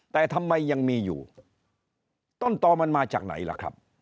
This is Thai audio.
แต่ทำไมยังมีอยู่ต้นต่อมันมาจากไหนล่ะครับ